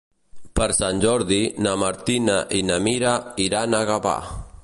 Per Sant Jordi na Martina i na Mira iran a Gavà.